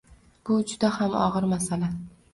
Bu juda ham og‘ir masala.